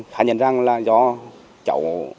khả nhận rằng là do cháu